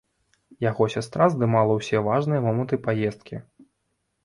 Яго сястра здымала ўсе важныя моманты паездкі.